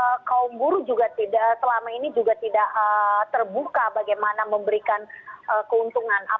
sehingga kaum buruh juga tidak selama ini juga tidak terbuka bagaimana memberikan keuntungan